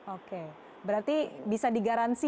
oke berarti bisa digaransi